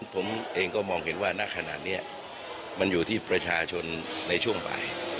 ผมเองก็มองเห็นว่าณขณะนี้มันอยู่ที่ประชาชนในช่วงบ่าย